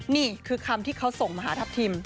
นี่คือคำที่เขาส่งมาหาทัพทิม